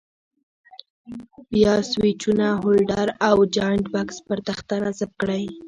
بیا سویچونه، هولډر او جاینټ بکس پر تخته نصب کړئ.